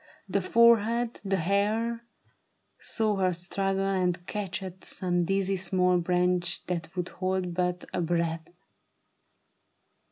The forehead, the hair — saw her struggle and catch At some dizzy small branch that would hold but a breath.